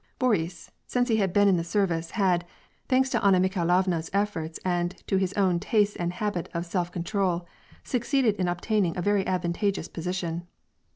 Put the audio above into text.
Boris, since he had been in the service, had, thanks to Anna Mikhailovna's efforts and to his own tastes and habit of self con trol, succeeded in obtaining a very advantageous position.